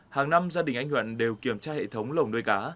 hàng năm gia đình anh nhuận đều kiểm tra hệ thống lồng nuôi cá